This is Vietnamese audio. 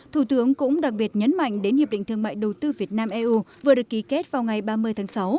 thủ tướng cũng đặc biệt nhấn mạnh đến hiệp định thương mại đầu tư việt nam eu vừa được ký kết vào ngày ba mươi tháng sáu